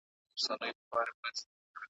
خو کوتري تا چي هر څه زېږولي .